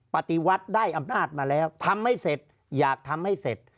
ปฏิวัติได้อำนาจมาแล้วทำให้เสร็จอยากทำให้เสร็จ